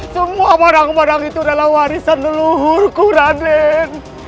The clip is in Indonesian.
semua barang barang itu adalah warisan leluhurku raden